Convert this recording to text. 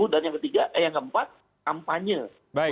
dan yang keempat kampanye